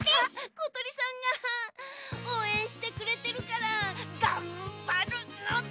ことりさんがおうえんしてくれてるからがんばるのだ！